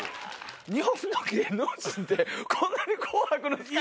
日本の芸能人でこんなに『紅白』の司会。